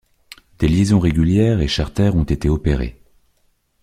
Des liaisons régulières et charters ont été opérées.